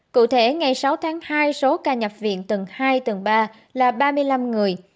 cụ thể ngày sáu tháng hai số ca nhập viện tầng hai tầng ba là ba mươi năm người